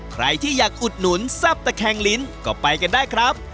ใครที่อยากอุดหนุนแซ่บตะแคงลิ้นก็ไปกันได้ครับ